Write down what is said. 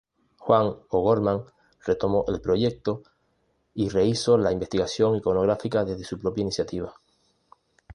Juan O’Gorman retomó el proyecto y rehízo la investigación iconográfica desde su propia iniciativa.